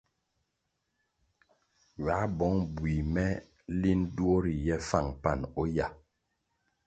Ywā bong bui me linʼ duo riye fáng pani o yah.